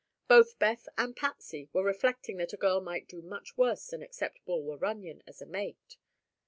Both Beth and Patsy were reflecting that a girl might do much worse than to accept Bulwer Runyon as a mate.